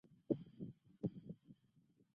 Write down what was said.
本剧同时由出任剧集主管。